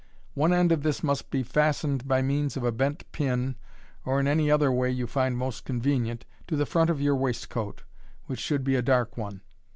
One end of this must be fastened by means of a bent pin, or in any other way you find most convenient, to the front of your waistcoat, which should be a dark one.